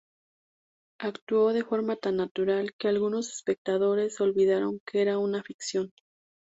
Actuó de forma tan natural que algunos espectadores se olvidaron que era una ficción.